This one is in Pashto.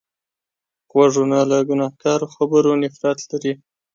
غوږونه له ګناهکارو خبرو نفرت لري